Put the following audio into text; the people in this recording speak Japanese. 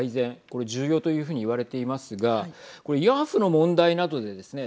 これ、重要というふうにいわれていますがこれ慰安婦の問題などでですね